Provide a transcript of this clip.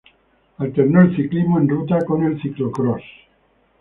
Alternó el ciclismo en ruta con el ciclocross.